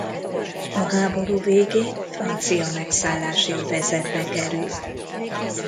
A háború végén francia megszállási övezetbe kerül.